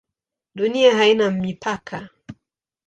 Dunia haina mipaka?